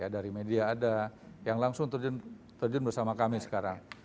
dari media ada yang langsung terjun bersama kami sekarang